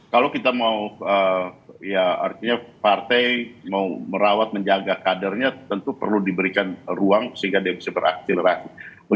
kalau kita mau ya artinya partai mau merawat menjaga kadernya tentu perlu diberikan ruang sehingga dia bisa beraktilerasi